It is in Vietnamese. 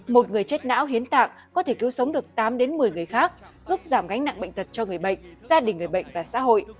một người chết não hiến tạng có thể cứu sống được tám đến một mươi người khác giúp giảm gánh nặng bệnh tật cho người bệnh gia đình người bệnh và xã hội